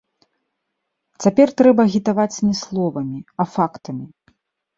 Цяпер трэба агітаваць не словамі, а фактамі.